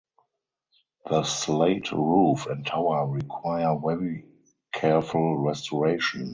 The slate roof and tower require very careful restoration.